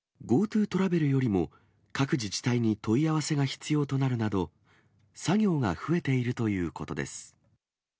ＧｏＴｏトラベルよりも各自治体に問い合わせが必要となるなど、作業が増えているということです。